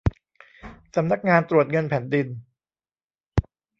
สำนักงานตรวจเงินแผ่นดิน